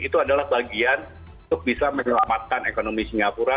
itu adalah bagian untuk bisa menyelamatkan ekonomi singapura